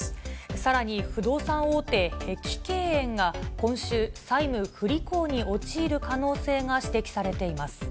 さらに不動産大手、碧桂園が今週、債務不履行に陥る可能性が指摘されています。